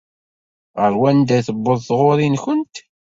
Ɣer wanda i tewweḍ taɣuṛi-nkent?